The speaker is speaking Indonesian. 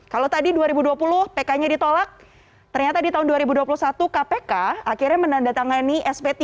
kalau tadi dua ribu dua puluh pk nya ditolak ternyata di tahun dua ribu dua puluh satu kpk akhirnya menandatangani sp tiga